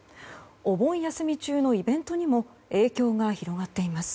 お盆休み中のイベントにも影響が広がっています。